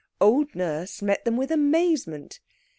Old Nurse met them with amazement.